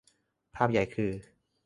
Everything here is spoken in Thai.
ภาพใหญ่คือ